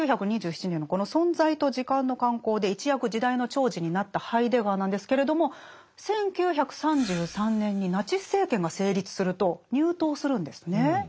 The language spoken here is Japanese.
１９２７年のこの「存在と時間」の刊行で一躍時代の寵児になったハイデガーなんですけれども１９３３年にナチス政権が成立すると入党するんですね。